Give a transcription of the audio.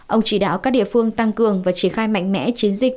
ông chỉ đạo các địa phương tăng cường và triển khai mạnh mẽ chiến dịch